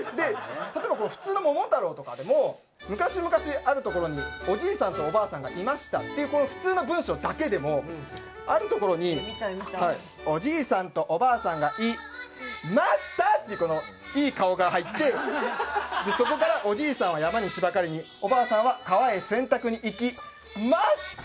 例えば普通の『桃太郎』とかでも「むかしむかしあるところにおじいさんとおばあさんがいました」っていう普通の文章だけでも「あるところにおじいさんとおばあさんがいました！！！」っていうこのいい顔が入ってそこから「おじいさんはやまにしばかりにおばあさんはかわへせんたくにいきました！！！」